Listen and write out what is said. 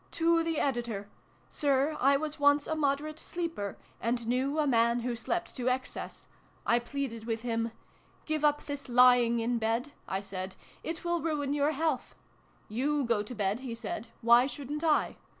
To the Editor. Sir, I was once a moderate sleeper, and knew a man who slept to excess. I pleaded with him. ' Give up this lying in bed,' I said, ' It will ruin your health /'' You go to bed 1 , he said: ' why shouldnt I